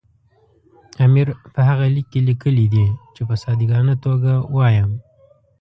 امیر په هغه لیک کې لیکلي دي چې په صادقانه توګه وایم.